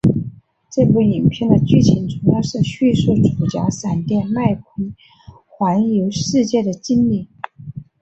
这部影片的剧情主要是叙述主角闪电麦坤环游世界的经历。